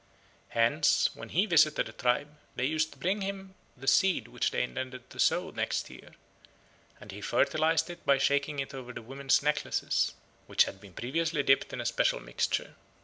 Hence when he visited a tribe, they used to bring him the seed which they intended to sow next year, and he fertilised it by shaking over it the women's necklaces, which had been previously dipped in a special mixture.